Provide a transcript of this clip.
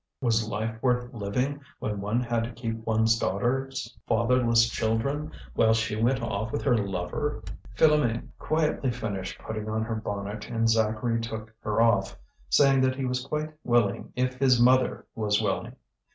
Was life worth living when one had to keep one's daughter's fatherless children while she went off with her lover? Philoméne quietly finished putting on her bonnet, and Zacharie took her off, saying that he was quite willing if his mother was willing.